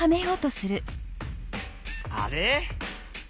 あれ？